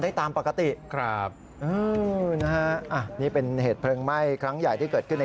ได้ตามปกตินะฮะนี่เป็นเหตุเฉพงไม้ครั้งใหญ่